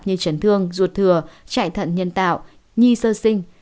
như trấn thương ruột thừa thận nhân tạo nhi sơ sinh